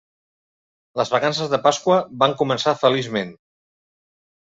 Les vacances de Pasqua van començar feliçment.